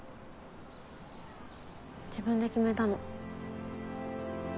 自分で決めたの。